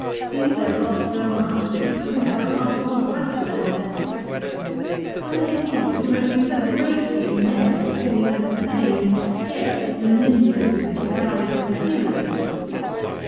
Caesar robbed so much that he put himself above all question of honesty. Where did he, who had been so greatly in debt before he went to Spain, get the million with which he bribed his adherents